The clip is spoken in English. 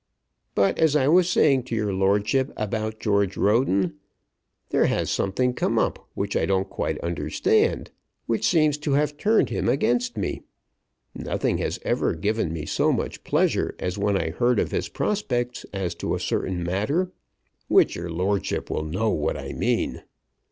But as I was saying to your lordship about George Roden, there has something come up which I don't quite understand, which seems to have turned him against me. Nothing has ever given me so much pleasure as when I heard of his prospects as to a certain matter which your lordship will know what I mean.